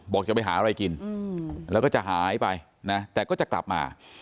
จะไปหาอะไรกินแล้วก็จะหายไปนะแต่ก็จะกลับมา